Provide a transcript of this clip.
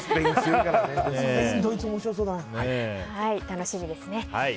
楽しみですね。